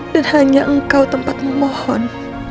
dan hanya engkau tempat memohon